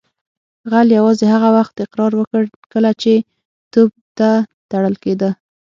غل یوازې هغه وخت اقرار وکړ کله چې توپ ته تړل کیده